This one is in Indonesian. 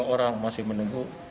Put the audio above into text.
tiga orang masih menunggu hasilnya